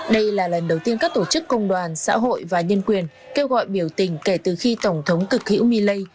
đây là lần đầu tiên các tổ chức công đoàn xã hội và nhân quyền kêu gọi biểu tình kể từ khi tổng thống cực hữu millet